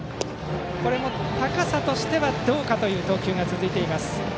高さとしてはどうかという投球が続いています。